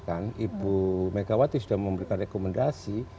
ah karena itu puyu megawati sudah memberikan rekomendasi